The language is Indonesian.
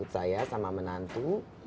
saya sama menantu